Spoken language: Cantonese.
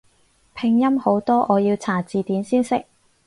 拼音好多我要查字典先識